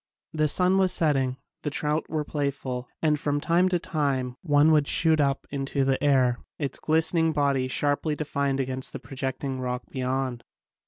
The sun was setting, the trout were playful and from time to time one would shoot up into the air, its glistening body sharply defined against a projecting rock beyond.